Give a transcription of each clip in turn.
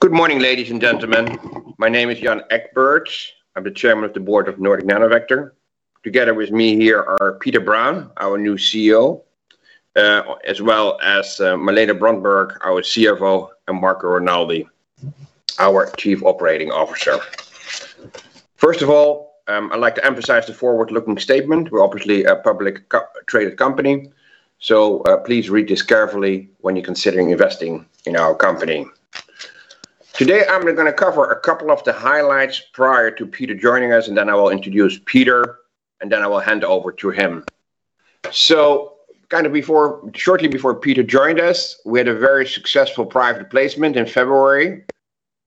Good morning, ladies and gentlemen. My name is Jan Egberts. I'm the chairman of the board of Nordic Nanovector. Together with me here are Peter Braun, our new CEO, as well as Malene Brondberg, our CFO, and Marco Renoldi, our chief operating officer. First of all, I'd like to emphasize the forward-looking statement. We're obviously a public traded company, so please read this carefully when you're considering investing in our company. Today, I'm going to cover a couple of the highlights prior to Peter joining us, and then I will introduce Peter, and then I will hand over to him. Shortly before Peter joined us, we had a very successful private placement in February,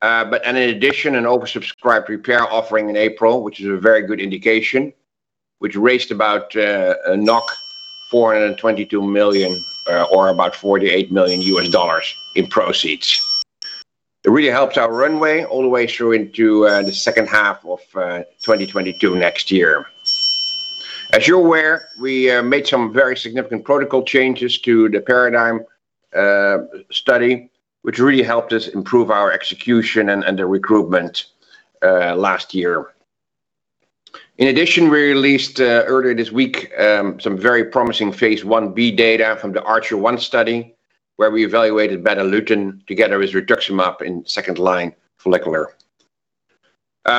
and in addition, an oversubscribed PP offering in April, which is a very good indication. Which raised about 422 million or about $48 million in proceeds. It really helped our runway all the way through into the second half of 2022. As you're aware, we made some very significant protocol changes to the PARADIGME study, which really helped us improve our execution and the recruitment last year. We released earlier this week some very promising phase I-B data from the ARCHER-1 study, where we evaluated Betalutin together with rituximab in second-line follicular. We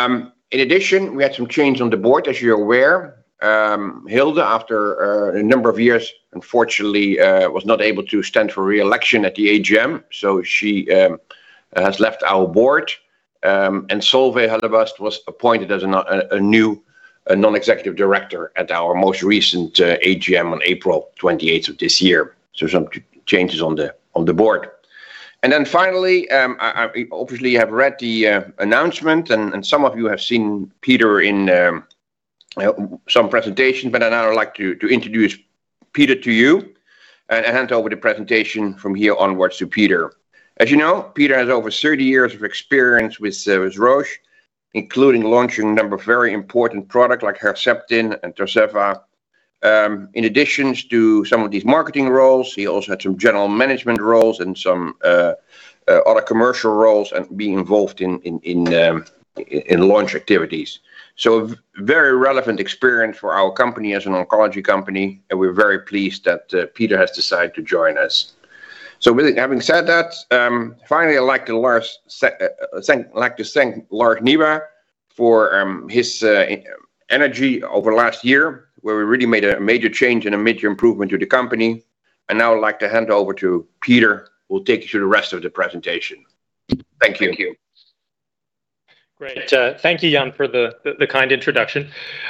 had some changes on the board, as you're aware. Hilde, after a number of years, unfortunately, was not able to stand for re-election at the AGM. She has left our board. Solveig Hellebust was appointed as a new non-executive director at our most recent AGM on April 28th of this year. Some changes on the board. Finally, obviously, you have read the announcement, and some of you have seen Peter in some presentations, but now I'd like to introduce Peter to you and hand over the presentation from here onwards to Peter. As you know, Peter has over 30 years of experience with Roche, including launching a number of very important products like Herceptin and Tarceva. In addition to some of these marketing roles, he also had some general management roles and some other commercial roles and being involved in launch activities. Very relevant experience for our company as an oncology company, and we're very pleased that Peter has decided to join us. With having said that, finally, I'd like to thank Lars Nieba for his energy over the last year, where we really made a major change and a major improvement to the company. Now I'd like to hand over to Peter, who will take you through the rest of the presentation. Thank you. Great. Thank you, Jan, for the kind introduction.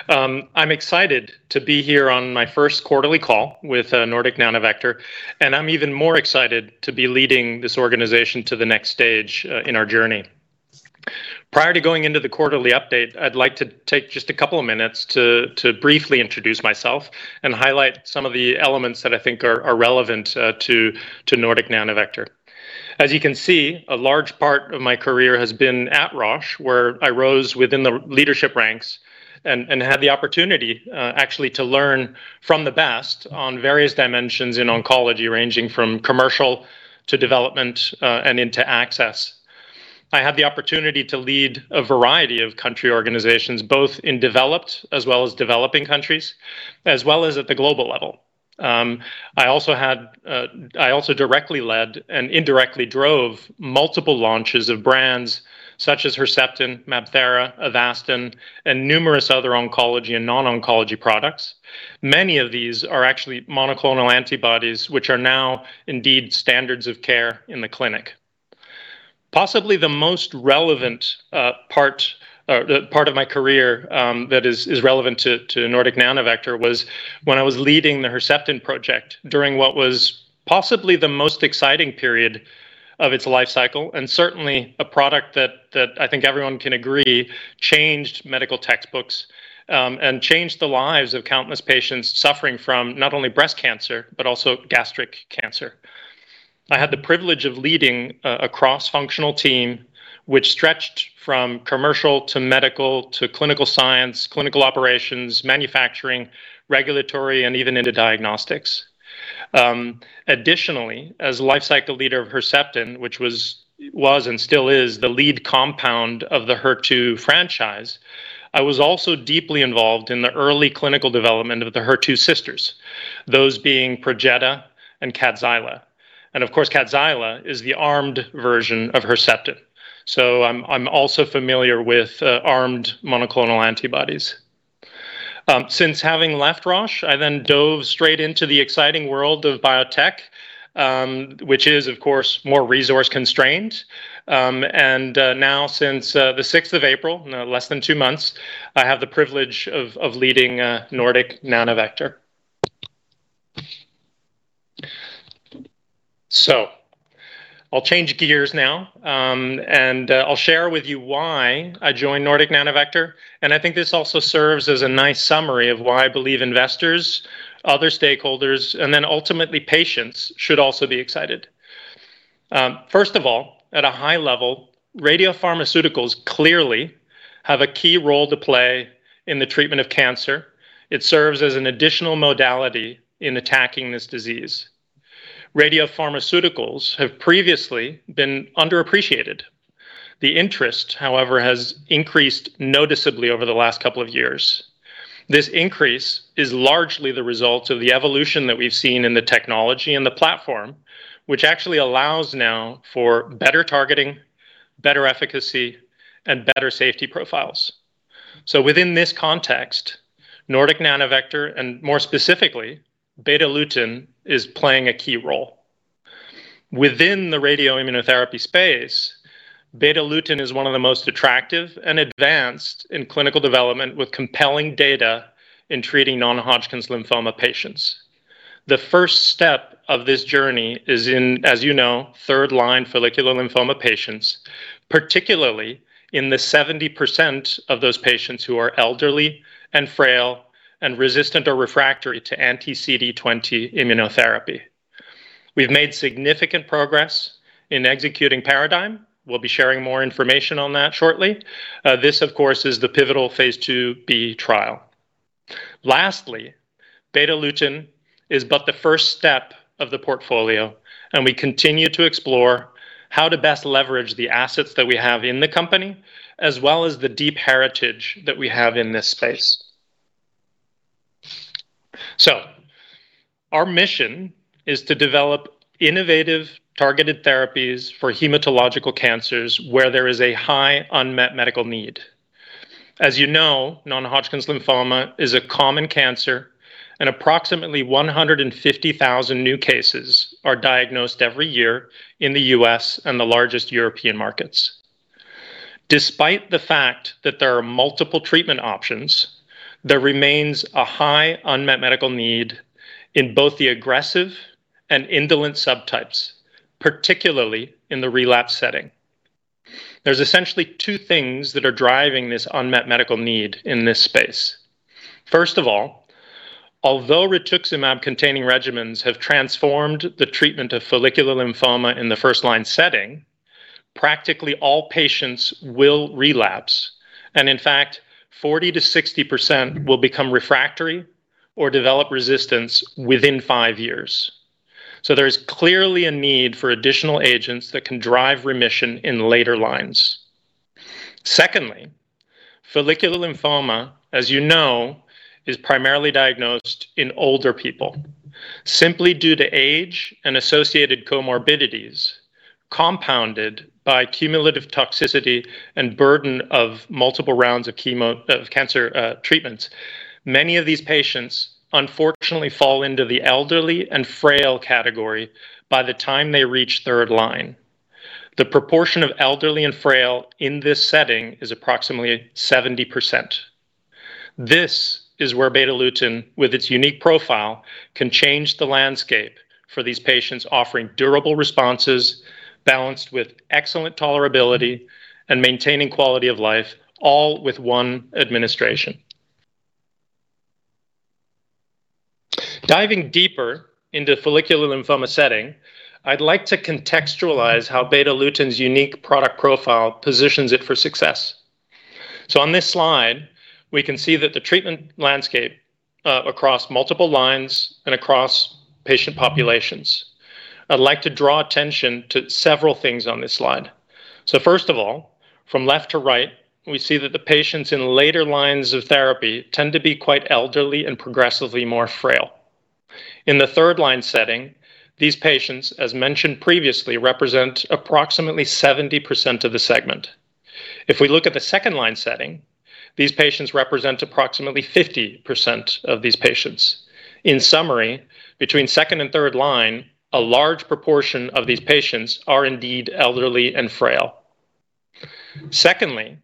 I'm excited to be here on my first quarterly call with Nordic Nanovector, and I'm even more excited to be leading this organization to the next stage in our journey. Prior to going into the quarterly update, I'd like to take just a couple of minutes to briefly introduce myself and highlight some of the elements that I think are relevant to Nordic Nanovector. As you can see, a large part of my career has been at Roche, where I rose within the leadership ranks and had the opportunity actually to learn from the best on various dimensions in oncology, ranging from commercial to development and into access. I had the opportunity to lead a variety of country organizations, both in developed as well as developing countries, as well as at the global level. I also directly led and indirectly drove multiple launches of brands such as Herceptin, MabThera, Avastin, and numerous other oncology and non-oncology products. Many of these are actually monoclonal antibodies, which are now indeed standards of care in the clinic. Possibly the most relevant part of my career that is relevant to Nordic Nanovector was when I was leading the Herceptin project during what was possibly the most exciting period of its life cycle, and certainly a product that I think everyone can agree changed medical textbooks and changed the lives of countless patients suffering from not only breast cancer but also gastric cancer. I had the privilege of leading a cross-functional team, which stretched from commercial to medical to clinical science, clinical operations, manufacturing, regulatory, and even into diagnostics. Additionally, as lifecycle leader of Herceptin, which was and still is the lead compound of the HER2 franchise, I was also deeply involved in the early clinical development of the HER2 sisters, those being Perjeta and Kadcyla. Of course, Kadcyla is the armed version of Herceptin. I'm also familiar with armed monoclonal antibodies. Since having left Roche, I dove straight into the exciting world of biotech, which is, of course, more resource constrained. Now since the 6th of April, less than two months, I have the privilege of leading Nordic Nanovector. I'll change gears now, and I'll share with you why I joined Nordic Nanovector, and I think this also serves as a nice summary of why I believe investors, other stakeholders, and then ultimately patients should also be excited. First of all, at a high level, radiopharmaceuticals clearly have a key role to play in the treatment of cancer, it serves as an additional modality in attacking this disease. Radiopharmaceuticals have previously been underappreciated. The interest, however, has increased noticeably over the last couple of years. This increase is largely the result of the evolution that we've seen in the technology and the platform, which actually allows now for better targeting, better efficacy, and better safety profiles. Within this context, Nordic Nanovector and more specifically Betalutin is playing a key role. Within the radioimmunotherapy space, Betalutin is one of the most attractive and advanced in clinical development with compelling data in treating non-Hodgkin's lymphoma patients. The first step of this journey is in, as you know, third-line follicular lymphoma patients, particularly in the 70% of those patients who are elderly and frail and resistant or refractory to anti-CD20 immunotherapy. We've made significant progress in executing PARADIGME. We'll be sharing more information on that shortly. This, of course, is the pivotal phase IIb trial. Lastly, Betalutin is but the first step of the portfolio, and we continue to explore how to best leverage the assets that we have in the company, as well as the deep heritage that we have in this space. Our mission is to develop innovative targeted therapies for hematological cancers where there is a high unmet medical need. As you know, non-Hodgkin's lymphoma is a common cancer, and approximately 150,000 new cases are diagnosed every year in the U.S. and the largest European markets. Despite the fact that there are multiple treatment options, there remains a high unmet medical need in both the aggressive and indolent subtypes, particularly in the relapse setting. There's essentially two things that are driving this unmet medical need in this space. First of all, although rituximab-containing regimens have transformed the treatment of follicular lymphoma in the first-line setting, practically all patients will relapse, and in fact, 40%-60% will become refractory or develop resistance within five years. There's clearly a need for additional agents that can drive remission in later lines. Secondly, follicular lymphoma, as you know, is primarily diagnosed in older people. Simply due to age and associated comorbidities, compounded by cumulative toxicity and burden of multiple rounds of cancer treatments, many of these patients unfortunately fall into the elderly and frail category by the time they reach third line. The proportion of elderly and frail in this setting is approximately 70%. This is where Betalutin, with its unique profile, can change the landscape for these patients, offering durable responses balanced with excellent tolerability and maintaining quality of life, all with one administration. Diving deeper into follicular lymphoma setting, I'd like to contextualize how Betalutin's unique product profile positions it for success. On this slide, we can see that the treatment landscape across multiple lines and across patient populations. I'd like to draw attention to several things on this slide. First of all, from left to right, we see that the patients in later lines of therapy tend to be quite elderly and progressively more frail. In the third-line setting, these patients, as mentioned previously, represent approximately 70% of the segment. If we look at the second-line setting, these patients represent approximately 50% of these patients. In summary, between second and third line, a large proportion of these patients are indeed elderly and frail. Secondly,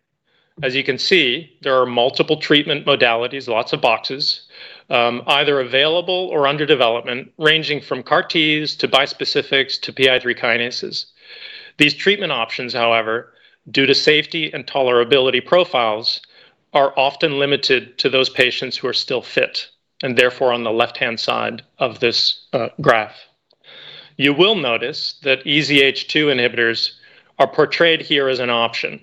as you can see, there are multiple treatment modalities, lots of boxes, either available or under development, ranging from CAR-Ts to bispecifics to PI3 kinases. These treatment options, however, due to safety and tolerability profiles, are often limited to those patients who are still fit, and therefore, on the left-hand side of this graph. You will notice that EZH2 inhibitors are portrayed here as an option.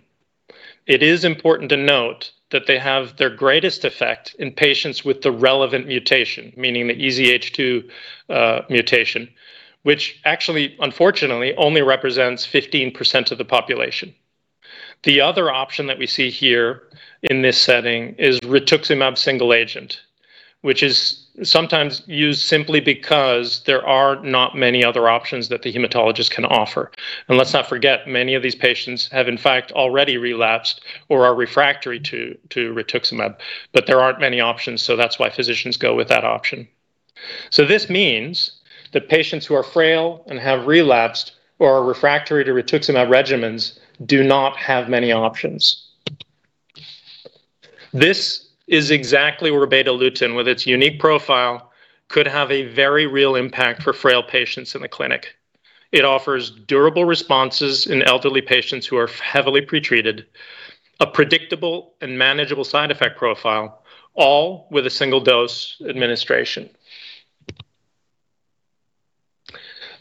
It is important to note that they have their greatest effect in patients with the relevant mutation, meaning the EZH2 mutation, which actually, unfortunately, only represents 15% of the population. The other option that we see here in this setting is rituximab single agent, which is sometimes used simply because there are not many other options that the hematologist can offer. Let's not forget, many of these patients have in fact already relapsed or are refractory to rituximab. There aren't many options, that's why physicians go with that option. This means that patients who are frail and have relapsed or are refractory to rituximab regimens do not have many options. This is exactly where Betalutin, with its unique profile, could have a very real impact for frail patients in the clinic. It offers durable responses in elderly patients who are heavily pretreated, a predictable and manageable side effect profile, all with a single dose administration.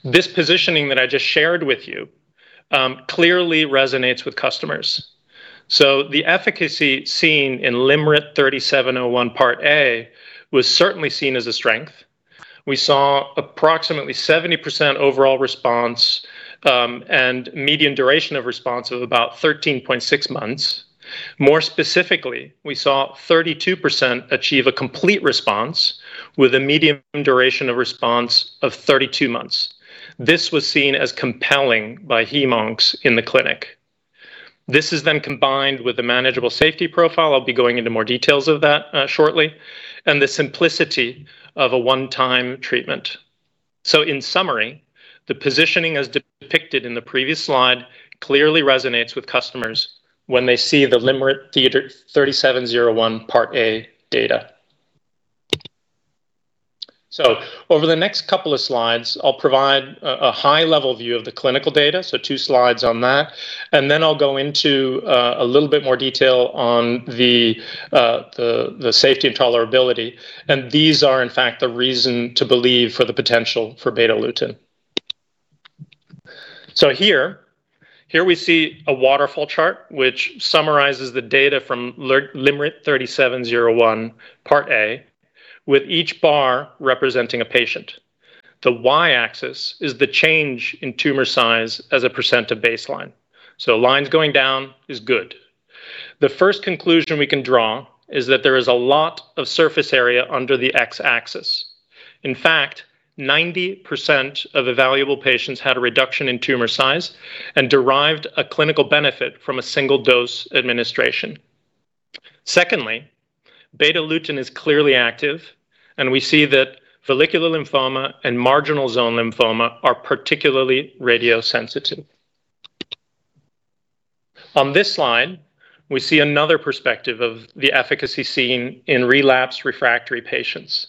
This positioning that I just shared with you clearly resonates with customers. The efficacy seen in LYMRIT 37-01 Part A was certainly seen as a strength. We saw approximately 70% overall response and median duration of response of about 13.6 months. More specifically, we saw 32% achieve a complete response with a median duration of response of 32 months. This was seen as compelling by hem-oncs in the clinic. This is combined with a manageable safety profile, I'll be going into more details of that shortly, and the simplicity of a one-time treatment. In summary, the positioning as depicted in the previous slide clearly resonates with customers when they see the LYMRIT 37-01 Part A data. Over the next couple of slides, I'll provide a high-level view of the clinical data, so two slides on that. I'll go into a little bit more detail on the safety and tolerability. These are, in fact, the reason to believe for the potential for Betalutin. Here we see a waterfall chart which summarizes the data from LYMRIT 37-01 Part A with each bar representing a patient. The Y-axis is the change in tumor size as a percent of baseline. Lines going down is good. The first conclusion we can draw is that there is a lot of surface area under the X-axis. In fact, 90% of evaluable patients had a reduction in tumor size and derived a clinical benefit from a single-dose administration. Secondly, Betalutin is clearly active, and we see that follicular lymphoma and marginal zone lymphoma are particularly radiosensitive. On this slide, we see another perspective of the efficacy seen in relapsed refractory patients.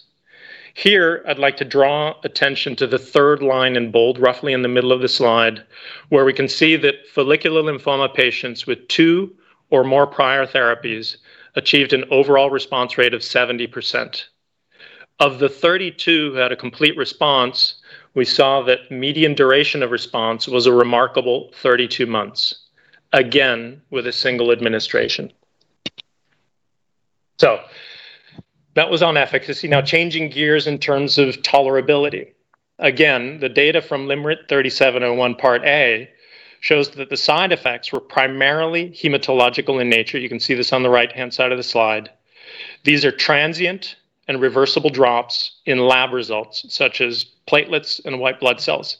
Here, I'd like to draw attention to the third line in bold, roughly in the middle of the slide, where we can see that follicular lymphoma patients with two or more prior therapies achieved an overall response rate of 70%. Of the 32 who had a complete response, we saw that median duration of response was a remarkable 32 months, again with a one administration. That was on efficacy. Changing gears in terms of tolerability. The data from LYMRIT 37-01 Part A shows that the side effects were primarily hematological in nature. You can see this on the right-hand side of the slide. These are transient and reversible drops in lab results such as platelets and white blood cells,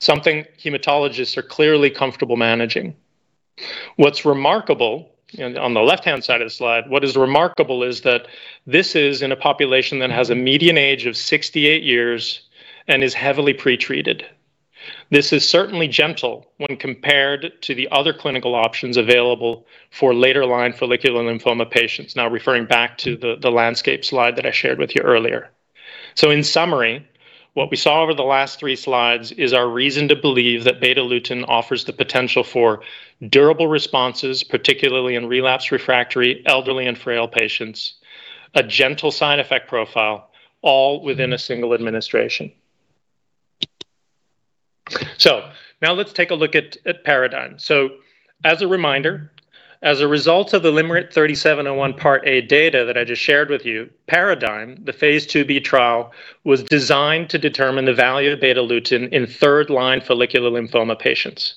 something hematologists are clearly comfortable managing. What's remarkable, and on the left-hand side of the slide, what is remarkable is that this is in a population that has a median age of 68 years and is heavily pretreated. This is certainly gentle when compared to the other clinical options available for later-line follicular lymphoma patients. Referring back to the landscape slide that I shared with you earlier. In summary, what we saw over the last three slides is our reason to believe that Betalutin offers the potential for durable responses, particularly in relapsed refractory, elderly, and frail patients, a gentle side effect profile, all within a single administration. Now let's take a look at PARADIGME. As a reminder, as a result of the LYMRIT 37-01 Part A data that I just shared with you, PARADIGME, the phase IIb trial, was designed to determine the value of Betalutin in third-line follicular lymphoma patients.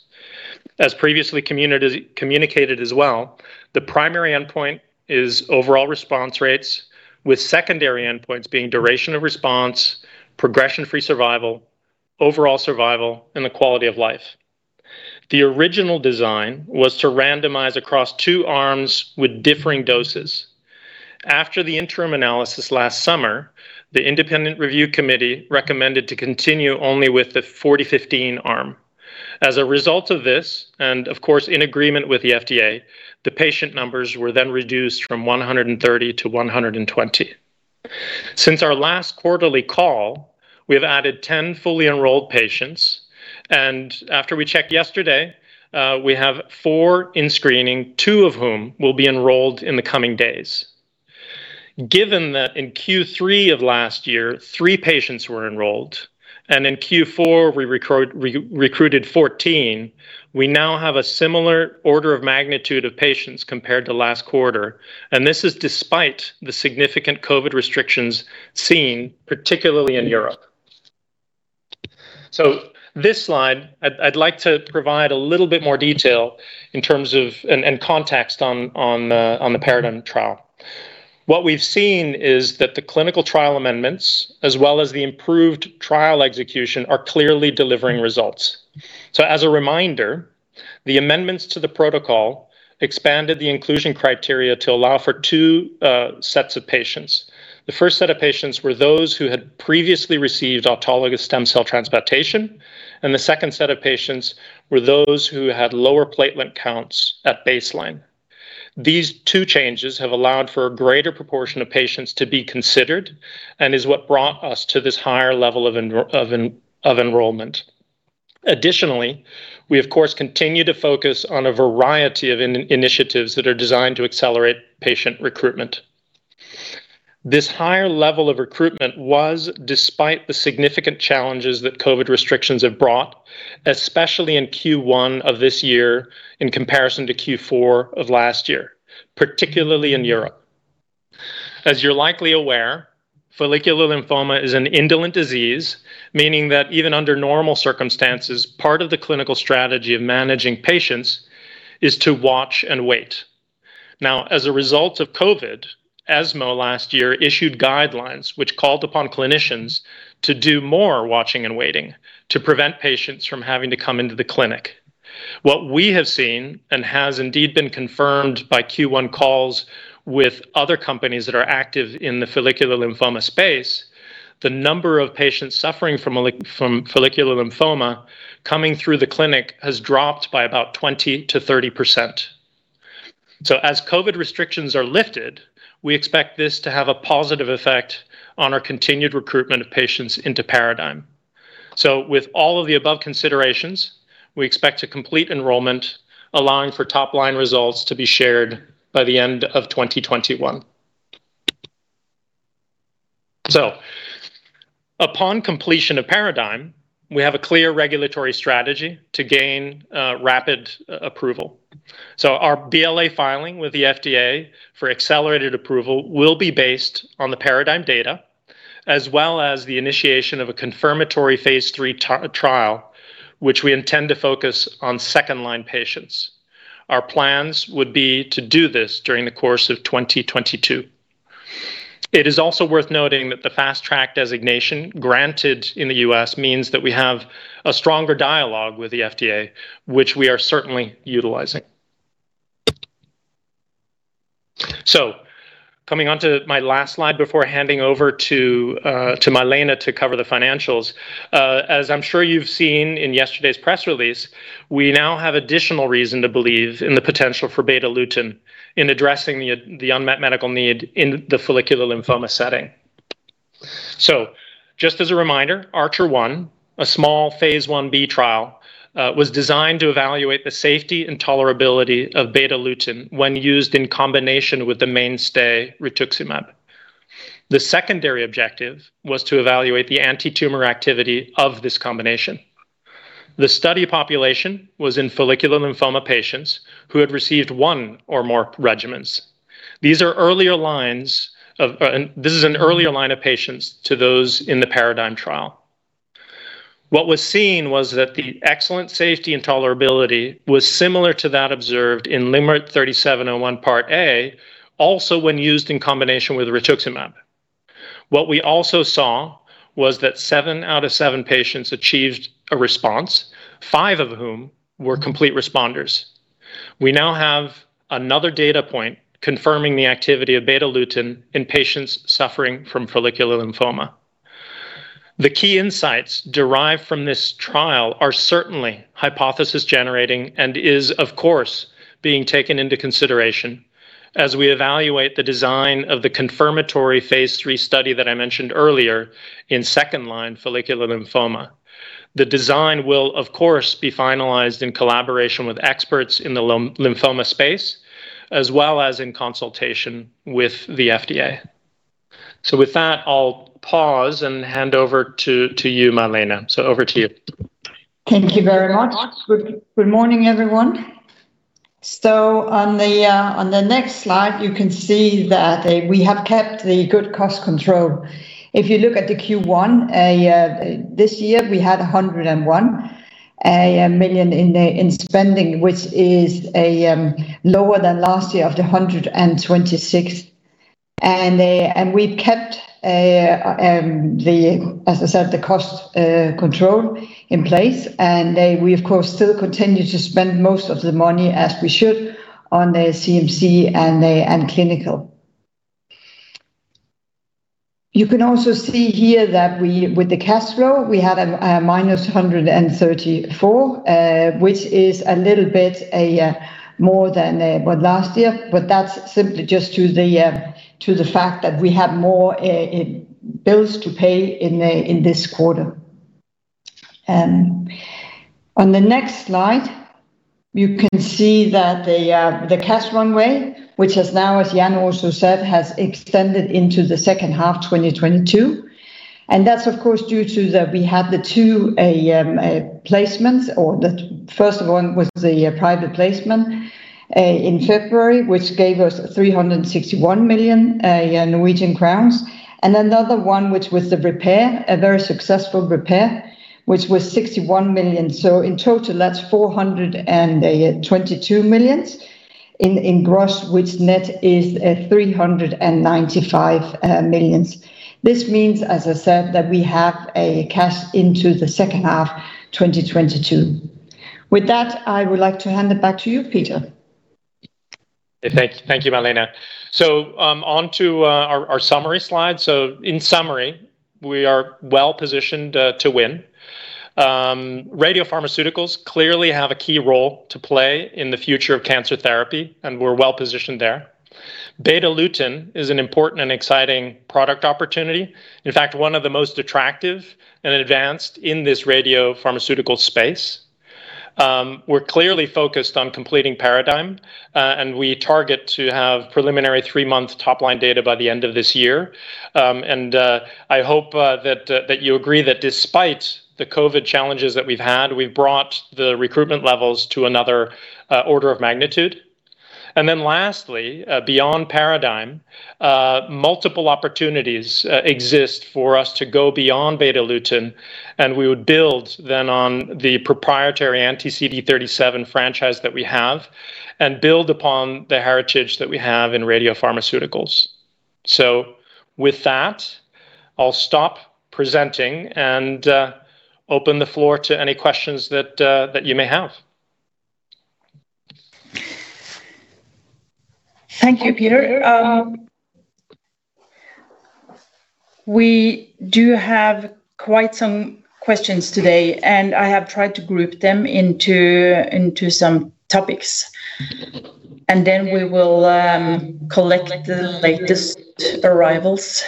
As previously communicated as well, the primary endpoint is overall response rates, with secondary endpoints being duration of response, progression-free survival, overall survival, and the quality of life. The original design was to randomize across two arms with differing doses. After the interim analysis last summer, the independent review committee recommended to continue only with the 40/15 arm. As a result of this, of course in agreement with the FDA, the patient numbers were reduced from 130 to 120. Since our last quarterly call, we've added 10 fully enrolled patients. After we checked yesterday, we have four in screening, two of whom will be enrolled in the coming days. Given that in Q3 of last year, three patients were enrolled, and in Q4 we recruited 14, we now have a similar order of magnitude of patients compared to last quarter. This is despite the significant COVID restrictions seen, particularly in Europe. This slide, I'd like to provide a little bit more detail and context on the PARADIGME trial. What we've seen is that the clinical trial amendments as well as the improved trial execution are clearly delivering results. As a reminder, the amendments to the protocol expanded the inclusion criteria to allow for two sets of patients. The first set of patients were those who had previously received autologous stem cell transplantation, and the second set of patients were those who had lower platelet counts at baseline. These two changes have allowed for a greater proportion of patients to be considered and is what brought us to this higher level of enrollment. Additionally, we of course continue to focus on a variety of initiatives that are designed to accelerate patient recruitment. This higher level of recruitment was despite the significant challenges that COVID restrictions have brought, especially in Q1 of this year in comparison to Q4 of last year, particularly in Europe. As you're likely aware, follicular lymphoma is an indolent disease, meaning that even under normal circumstances, part of the clinical strategy of managing patients is to watch and wait. Now, as a result of COVID, ESMO last year issued guidelines which called upon clinicians to do more watching and waiting to prevent patients from having to come into the clinic. What we have seen, and has indeed been confirmed by Q1 calls with other companies that are active in the follicular lymphoma space, the number of patients suffering from follicular lymphoma coming through the clinic has dropped by about 20%-30%. As COVID restrictions are lifted, we expect this to have a positive effect on our continued recruitment of patients into PARADIGME. With all of the above considerations, we expect to complete enrollment, allowing for top-line results to be shared by the end of 2021. Upon completion of PARADIGME, we have a clear regulatory strategy to gain rapid approval. Our BLA filing with the FDA for accelerated approval will be based on the PARADIGME data, as well as the initiation of a confirmatory phase III trial, which we intend to focus on second-line patients. Our plans would be to do this during the course of 2022. It is also worth noting that the Fast Track designation granted in the U.S. means that we have a stronger dialogue with the FDA, which we are certainly utilizing. Coming onto my last slide before handing over to Malene to cover the financials. As I'm sure you've seen in yesterday's press release, we now have additional reason to believe in the potential for Betalutin in addressing the unmet medical need in the follicular lymphoma setting. Just as a reminder, Archer-1, a small phase I-B trial, was designed to evaluate the safety and tolerability of Betalutin when used in combination with the mainstay rituximab. The secondary objective was to evaluate the anti-tumor activity of this combination. The study population was in follicular lymphoma patients who had received one or more regimens. This is an earlier line of patients to those in the PARADIGME trial. What was seen was that the excellent safety and tolerability was similar to that observed in LYMRIT 37-01 Part A, also when used in combination with rituximab. What we also saw was that seven out of seven patients achieved a response, five of whom were complete responders. We now have another data point confirming the activity of Betalutin in patients suffering from follicular lymphoma. The key insights derived from this trial are certainly hypothesis-generating and is, of course, being taken into consideration as we evaluate the design of the confirmatory phase III study that I mentioned earlier in second-line follicular lymphoma. The design will, of course, be finalized in collaboration with experts in the lymphoma space, as well as in consultation with the FDA. With that, I'll pause and hand over to you, Malene. Over to you. Thank you very much. Good morning, everyone. On the next slide, you can see that we have kept the good cost control. If you look at the Q1 this year, we had 101 million in spending, which is lower than last year of 126 million. We kept, as I said, the cost control in place. We, of course, still continue to spend most of the money as we should on the CMC and clinical. You can also see here that with the cash flow, we had a minus 134 million, which is a little bit more than last year, that's simply just due to the fact that we had more bills to pay in this quarter. On the next slide, you can see that the cash runway, which has now, as Jan also said, has extended into the second half 2022. That's, of course, due to that we had the two placements, or the first one was the private placement in February, which gave us 361 million Norwegian crowns, and another one, which was the repair, a very successful repair, which was 61 million. In total, that's 422 million in gross, which net is 395 million. This means, as I said, that we have cash into the second half 2022. With that, I would like to hand it back to you, Peter. Thank you, Malene. Onto our summary slide. In summary, we are well-positioned to win. Radiopharmaceuticals clearly have a key role to play in the future of cancer therapy, and we're well-positioned there. Betalutin is an important and exciting product opportunity, in fact, one of the most attractive and advanced in this radiopharmaceutical space. We're clearly focused on completing PARADIGME, and we target to have preliminary three-month top-line data by the end of this year. I hope that you agree that despite the COVID challenges that we've had, we've brought the recruitment levels to another order of magnitude. Lastly, beyond PARADIGME, multiple opportunities exist for us to go beyond Betalutin, and we would build then on the proprietary anti-CD37 franchise that we have and build upon the heritage that we have in radiopharmaceuticals. With that, I'll stop presenting and open the floor to any questions that you may have. Thank you, Peter. We do have quite some questions today, and I have tried to group them into some topics, and then we will collect the latest arrivals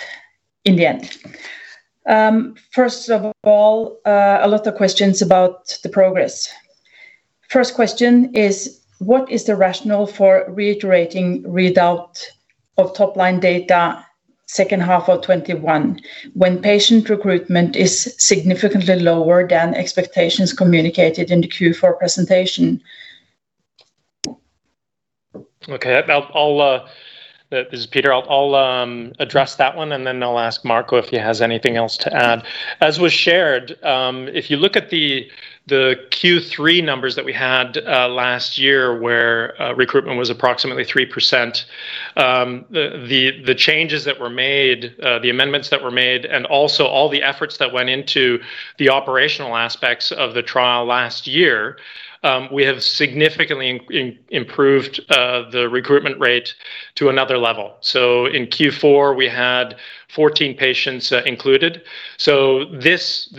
in the end. First of all, a lot of questions about the progress. First question is, what is the rationale for reiterating readout of top-line data second half of 2021 when patient recruitment is significantly lower than expectations communicated in Q4 presentation? Okay. This is Peter. I'll address that one. Then I'll ask Marco if he has anything else to add. As was shared, if you look at the Q3 numbers that we had last year where recruitment was approximately 3%, the changes that were made, the amendments that were made, also all the efforts that went into the operational aspects of the trial last year, we have significantly improved the recruitment rate to another level. In Q4, we had 14 patients included. This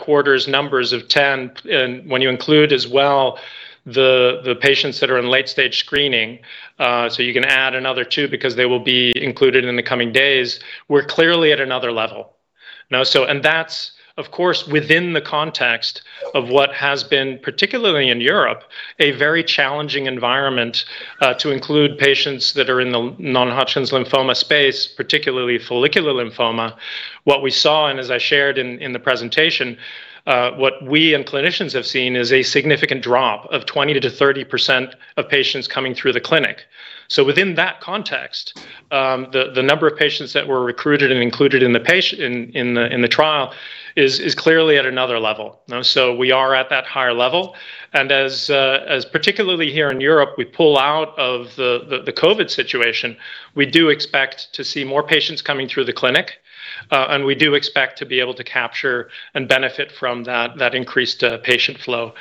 quarter's numbers of 10. When you include as well the patients that are in late-stage screening, you can add another two because they will be included in the coming days, we're clearly at another level. That's, of course, within the context of what has been, particularly in Europe, a very challenging environment to include patients that are in the non-Hodgkin's lymphoma space, particularly follicular lymphoma. What we saw, and as I shared in the presentation, what we and clinicians have seen is a significant drop of 20% to 30% of patients coming through the clinic. Within that context, the number of patients that were recruited and included in the trial is clearly at another level. We are at that higher level, and as particularly here in Europe, we pull out of the COVID situation, we do expect to see more patients coming through the clinic, and we do expect to be able to capture and benefit from that increased patient flow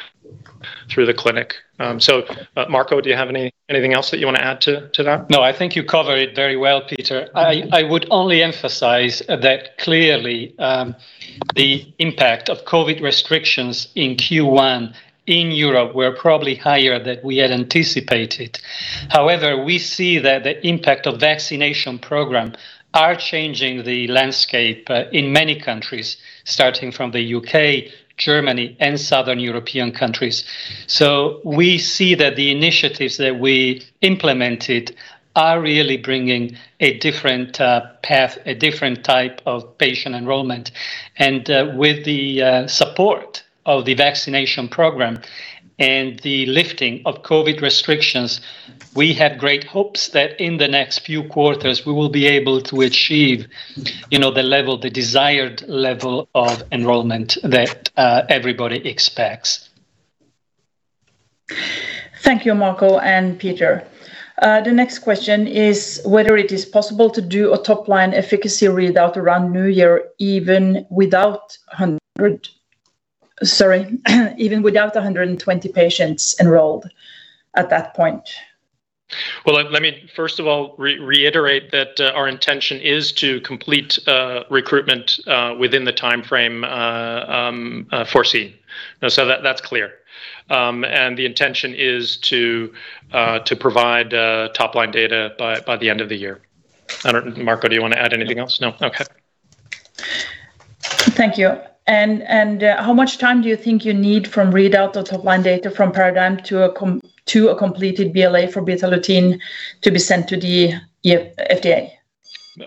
through the clinic. Marco, do you have anything else that you want to add to that? I think you covered it very well, Peter. I would only emphasize that clearly the impact of COVID restrictions in Q1 in Europe were probably higher than we had anticipated. We see that the impact of vaccination program are changing the landscape in many countries, starting from the U.K., Germany, and Southern European countries. We see that the initiatives that we implemented are really bringing a different path, a different type of patient enrollment. With the support of the vaccination program and the lifting of COVID restrictions, we have great hopes that in the next few quarters, we will be able to achieve the desired level of enrollment that everybody expects. Thank you, Marco and Peter. The next question is whether it is possible to do a top-line efficacy readout around New Year, even without 120 patients enrolled at that point. Well, let me first of all reiterate that our intention is to complete recruitment within the timeframe foreseen. That's clear. The intention is to provide top-line data by the end of the year. I don't know, Marco, do you want to add anything else? No? Okay. Thank you. How much time do you think you need from readout of top-line data from PARADIGME to a completed BLA for Betalutin to be sent to the FDA?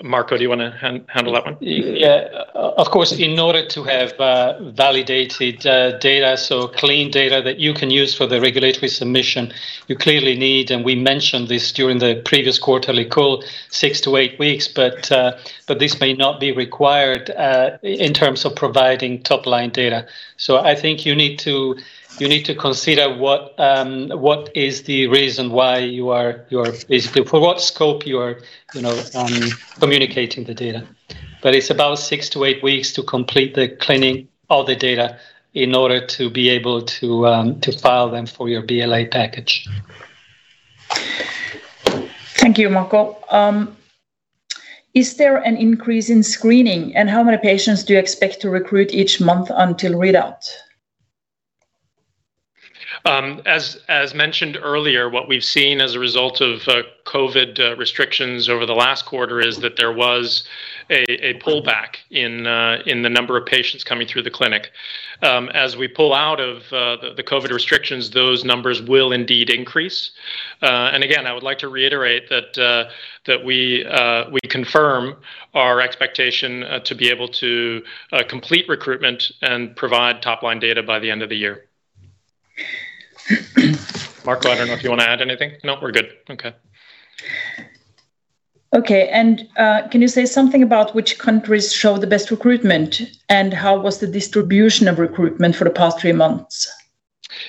Marco, do you want to handle that one? In order to have validated data, so clean data that you can use for the regulatory submission, you clearly need, and we mentioned this during the previous quarterly call, six-eight weeks, but this may not be required in terms of providing top-line data. I think you need to consider what is the reason why you are basically, for what scope you are communicating the data. It's about six-eight weeks to complete the cleaning all the data in order to be able to file them for your BLA package. Thank you, Marco. Is there an increase in screening, and how many patients do you expect to recruit each month until readout? As mentioned earlier, what we've seen as a result of COVID restrictions over the last quarter is that there was a pullback in the number of patients coming through the clinic. We pull out of the COVID restrictions, those numbers will indeed increase. Again, I would like to reiterate that we confirm our expectation to be able to complete recruitment and provide top-line data by the end of the year. Marco, I don't know if you want to add anything. No, we're good. Okay. Okay. Can you say something about which countries show the best recruitment, and how was the distribution of recruitment for the past three months?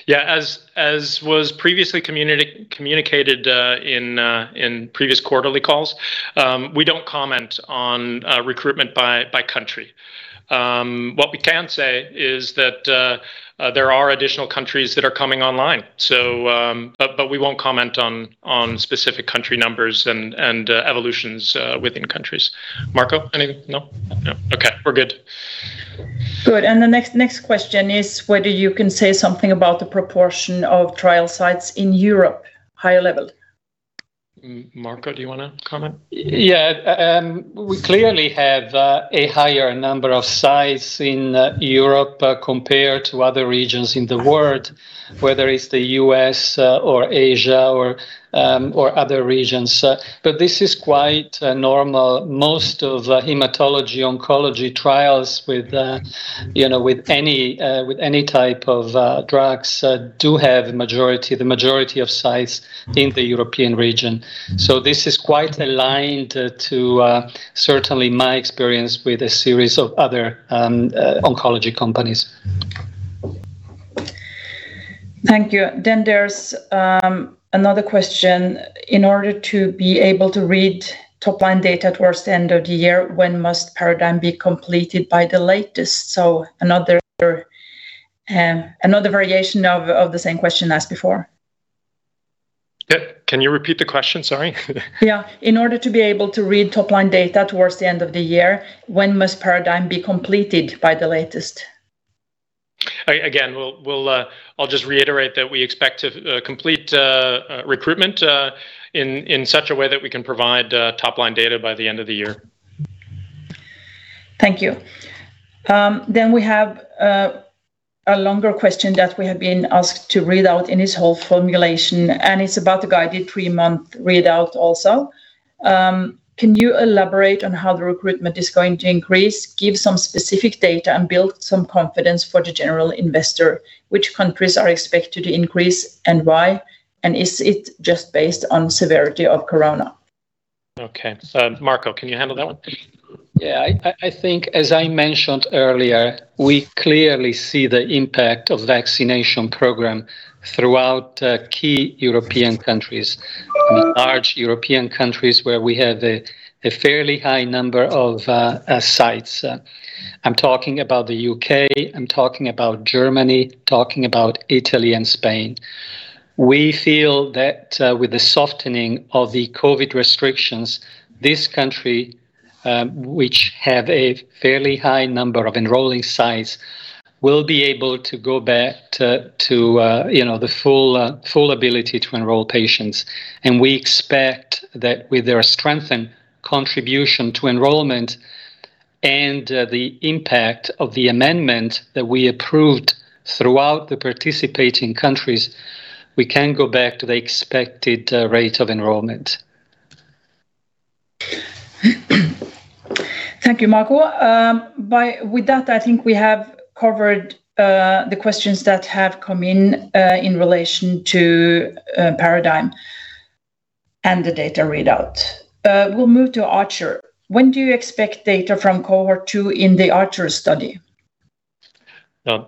Yeah. As was previously communicated in previous quarterly calls, we don't comment on recruitment by country. What we can say is that there are additional countries that are coming online. We won't comment on specific country numbers and evolutions within countries. Marco, anything? No. Okay. We're good. Good. The next question is whether you can say something about the proportion of trial sites in Europe, high level. Marco, do you want to comment? Yeah. We clearly have a higher number of sites in Europe compared to other regions in the world, whether it's the U.S. or Asia or other regions. This is quite normal. Most of hematology oncology trials with any type of drugs do have the majority of sites in the European region. This is quite aligned to certainly my experience with a series of other oncology companies. Thank you. There's another question. In order to be able to read top-line data towards the end of the year, when must PARADIGME be completed by the latest? Another variation of the same question asked before. Yep. Can you repeat the question? Sorry. Yeah. In order to be able to read top-line data towards the end of the year, when must PARADIGME be completed by the latest? Again, I'll just reiterate that we expect to complete recruitment in such a way that we can provide top-line data by the end of the year. Thank you. We have a longer question that we have been asked to read out in its whole formulation, and it's about the guided three-month readout also. Can you elaborate on how the recruitment is going to increase, give some specific data, and build some confidence for the general investor, which countries are expected to increase and why, and is it just based on severity of corona? Okay. Marco, can you handle that one? Yeah, I think as I mentioned earlier, we clearly see the impact of vaccination program throughout key European countries, large European countries where we have a fairly high number of sites. I'm talking about the U.K., I'm talking about Germany, talking about Italy and Spain. We feel that with the softening of the COVID restrictions, these countries, which have a fairly high number of enrolling sites, will be able to go back to the full ability to enroll patients. We expect that with their strengthened contribution to enrollment and the impact of the amendment that we approved throughout the participating countries, we can go back to the expected rate of enrollment. Thank you, Marco. With that, I think we have covered the questions that have come in relation to PARADIGME and the data readout. We will move to ARCHER. When do you expect data from cohort 2 in the ARCHER study?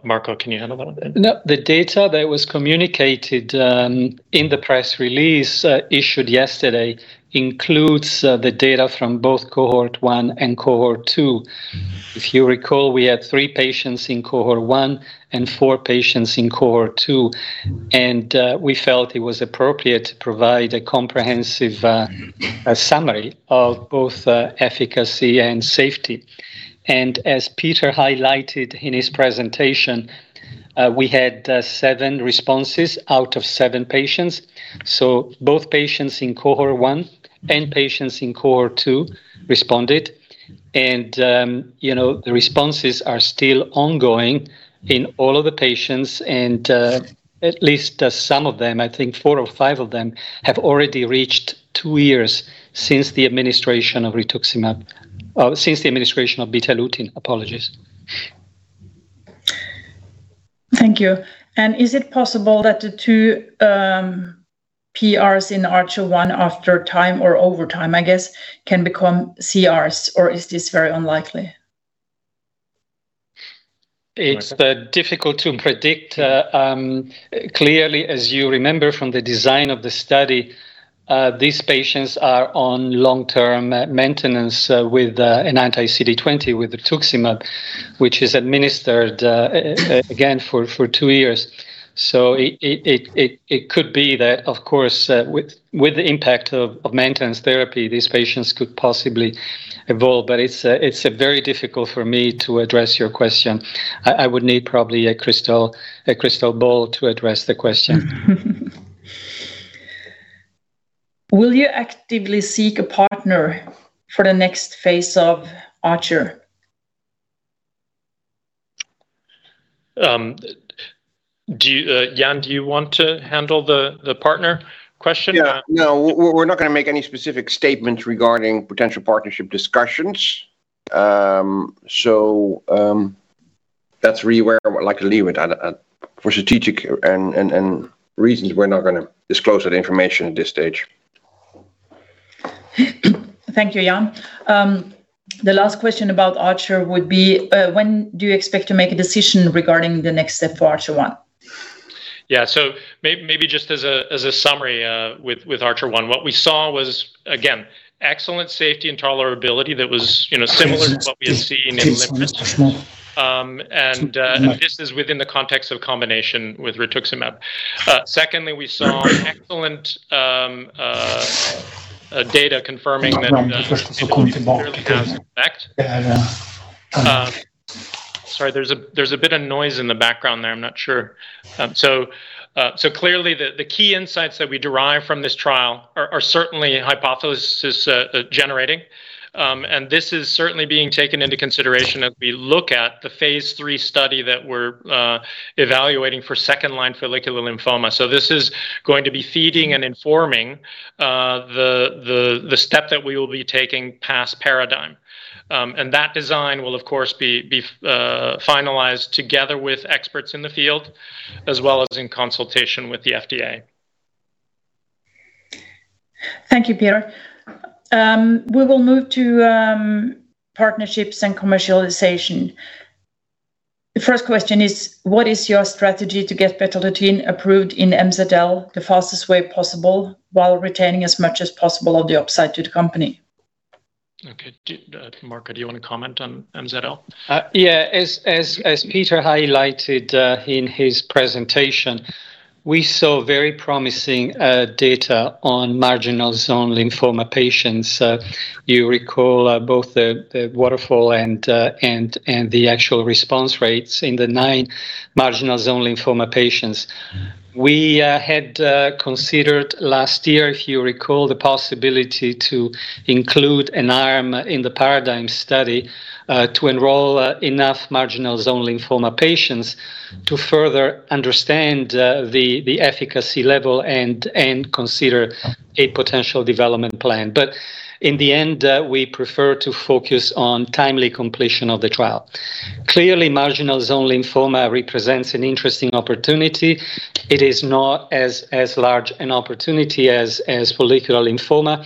Marco, can you handle that one? The data that was communicated in the press release issued yesterday includes the data from both cohort 1 and cohort 2. If you recall, we had three patients in cohort 1 and four patients in cohort 2. We felt it was appropriate to provide a comprehensive summary of both efficacy and safety. As Peter highlighted in his presentation, we had seven responses out of seven patients. Both patients in cohort 1 and patients in cohort 2 responded. The responses are still ongoing in all of the patients. At least some of them, I think four or five of them, have already reached two years since the administration of rituximab, since the administration of Betalutin. Apologies. Thank you. Is it possible that the two PRs in Archer-1 after time or over time, I guess, can become CRs, or is this very unlikely? It's difficult to predict. Clearly, as you remember from the design of the study, these patients are on long-term maintenance with an anti-CD20 with rituximab, which is administered, again, for two years. It could be that, of course, with the impact of maintenance therapy, these patients could possibly evolve, but it's very difficult for me to address your question. I would need probably a crystal ball to address the question. Will you actively seek a partner for the next phase of Archer? Jan, do you want to handle the partner question? Yeah. No, we're not going to make any specific statements regarding potential partnership discussions. That's really where I would like to leave it. For strategic reasons, we're not going to disclose that information at this stage. Thank you, Jan. The last question about Archer would be, when do you expect to make a decision regarding the next step for Archer-1? Yeah. Maybe just as a summary with Archer-1, what we saw was, again, excellent safety and tolerability that was similar to what we have seen. And this is within the context of combination with rituximab. Secondly, we saw excellent data confirming that Betalutin appears to have an effect. Sorry, there's a bit of noise in the background there, I'm not sure. Clearly, the key insights that we derive from this trial are certainly hypothesis generating. This is certainly being taken into consideration as we look at the phase III study that we're evaluating for second-line follicular lymphoma. This is going to be feeding and informing the step that we will be taking past PARADIGME. That design will, of course, be finalized together with experts in the field as well as in consultation with the FDA. Thank you, Peter. We will move to partnerships and commercialization. The first question is, what is your strategy to get Betalutin approved in MZL the fastest way possible while retaining as much as possible of the upside to the company? Okay. Marco, do you want to comment on MZL? Yeah. As Peter highlighted in his presentation, we saw very promising data on marginal zone lymphoma patients. You recall both the waterfall and the actual response rates in the nine marginal zone lymphoma patients. We had considered last year, if you recall, the possibility to include an arm in the PARADIGME study to enroll enough marginal zone lymphoma patients to further understand the efficacy level and consider a potential development plan. In the end, we prefer to focus on timely completion of the trial. Clearly, marginal zone lymphoma represents an interesting opportunity. It is not as large an opportunity as follicular lymphoma,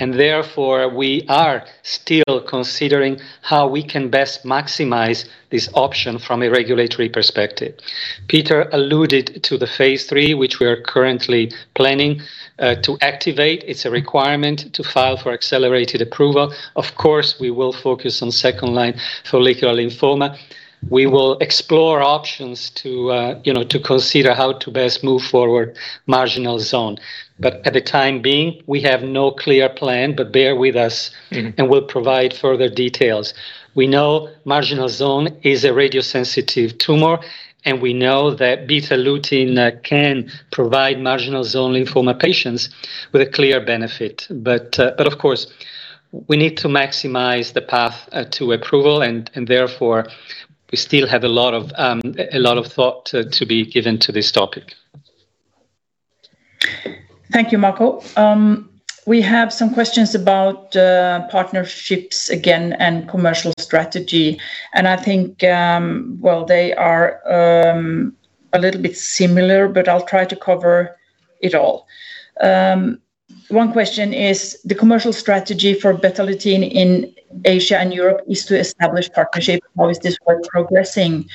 and therefore we are still considering how we can best maximize this option from a regulatory perspective. Peter alluded to the phase III, which we are currently planning to activate. It is a requirement to file for accelerated approval. Of course, we will focus on second-line follicular lymphoma. We will explore options to consider how to best move forward marginal zone. At the time being, we have no clear plan, but bear with us, and we'll provide further details. We know marginal zone is a radiosensitive tumor, and we know that Betalutin can provide marginal zone lymphoma patients with a clear benefit. Of course, we need to maximize the path to approval, and therefore, we still have a lot of thought to be given to this topic. Thank you, Marco. We have some questions about partnerships again and commercial strategy, and I think while they are a little bit similar, but I'll try to cover it all. One question is, the commercial strategy for Betalutin in Asia and Europe is to establish partnership. How is this work progressing?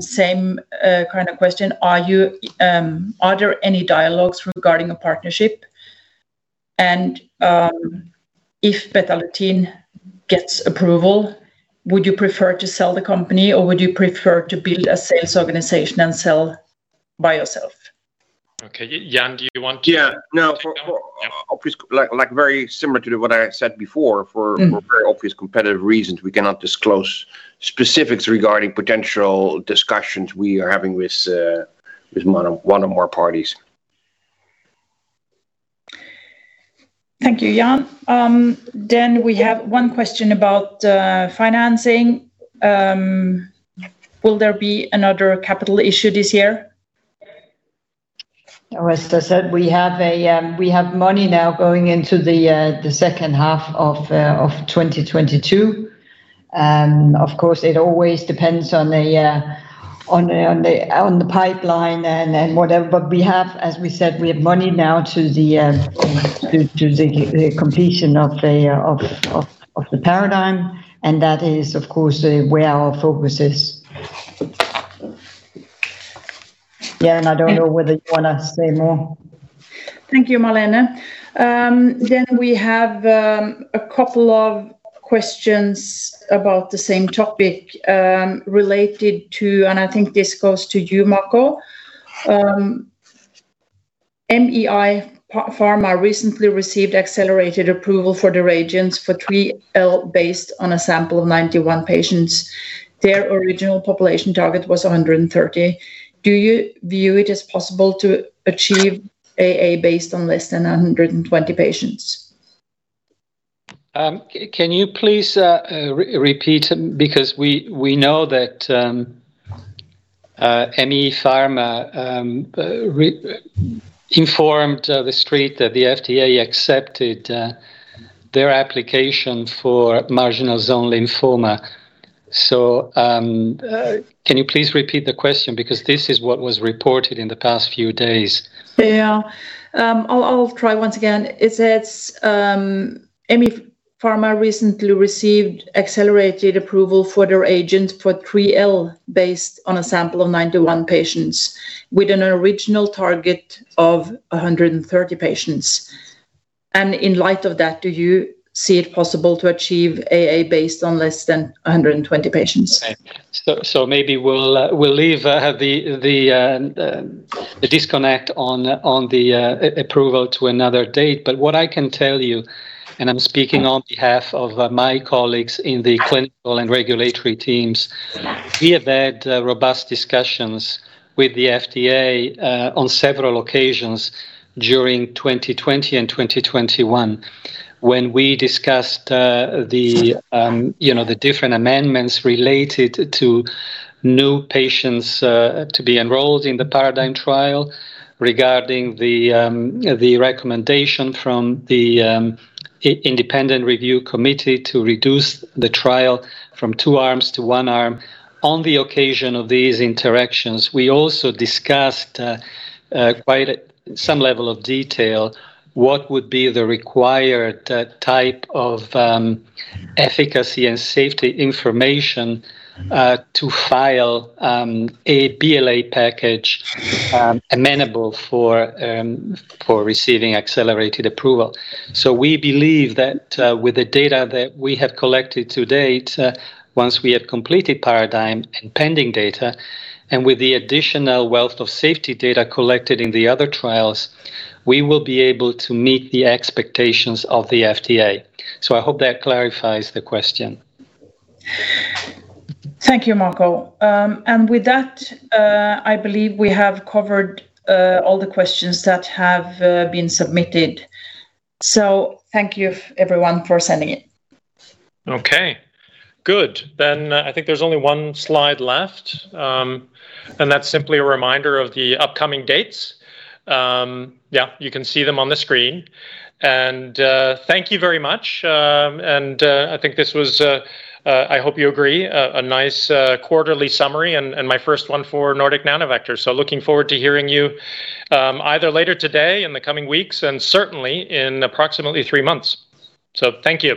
Same kind of question, are there any dialogues regarding a partnership? If Betalutin gets approval, would you prefer to sell the company or would you prefer to build a sales organization and sell by yourself? Okay. Jan, do you want to? Yeah. No, very similar to what I said before, for very obvious competitive reasons, we cannot disclose specifics regarding potential discussions we are having with one or more parties. Thank you, Jan. We have one question about financing. Will there be another capital issue this year? As I said, we have money now going into the second half of 2022. Of course, it always depends on the pipeline and whatever, but we have, as we said, we have money now to the completion of the PARADIGME, and that is of course where our focus is. Jan, I don't know whether you want to say more. Thank you, Malene. We have a couple of questions about the same topic related to, and I think this goes to you, Marco. MEI Pharma recently received accelerated approval for their agents for 3L based on a sample of 91 patients. Their original population target was 130. Do you view it as possible to achieve AA based on less than 120 patients? Can you please repeat? We know that MEI Pharma informed the street that the FDA accepted their application for marginal zone lymphoma. Can you please repeat the question because this is what was reported in the past few days. Yeah. I'll try once again. It says, MEI Pharma recently received Accelerated Approval for their agent for 3L based on a sample of 91 patients with an original target of 130 patients. In light of that, do you see it possible to achieve AA based on less than 120 patients? Maybe we'll leave the disconnect on the approval to another date. What I can tell you, and I'm speaking on behalf of my colleagues in the clinical and regulatory teams, we have had robust discussions with the FDA on several occasions during 2020 and 2021 when we discussed the different amendments related to new patients to be enrolled in the PARADIGME trial regarding the recommendation from the independent review committee to reduce the trial from two arms to one arm. On the occasion of these interactions, we also discussed quite at some level of detail what would be the required type of efficacy and safety information to file a BLA package amenable for receiving Accelerated Approval. We believe that with the data that we have collected to date, once we have completed PARADIGME and pending data, and with the additional wealth of safety data collected in the other trials, we will be able to meet the expectations of the FDA. I hope that clarifies the question. Thank you, Marco. With that, I believe we have covered all the questions that have been submitted. Thank you everyone for sending it. Okay, good. I think there's only one slide left, and that's simply a reminder of the upcoming dates. Yeah, you can see them on the screen. Thank you very much. I think this was, I hope you agree, a nice quarterly summary and my first one for Nordic Nanovector. Looking forward to hearing you either later today, in the coming weeks, and certainly in approximately three months. Thank you.